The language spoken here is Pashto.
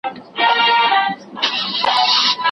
پیالې راتللای تر خړوبه خو چي نه تېرېدای